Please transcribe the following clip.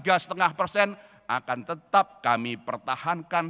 akan tetap kami pertahankan